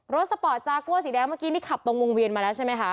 สปอร์ตจากัวสีแดงเมื่อกี้นี่ขับตรงวงเวียนมาแล้วใช่ไหมคะ